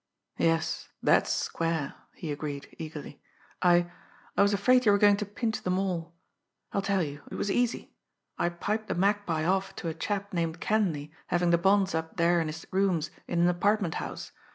"Yes, that's square," he agreed eagerly. "I I was afraid you were going to pinch them all. I'll tell you. It was easy. I piped the Magpie off to a chap named Kenleigh having the bonds up there in his rooms in an apartment house.